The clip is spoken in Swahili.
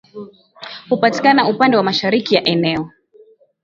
Hupatikana upande wa mashariki ya eneo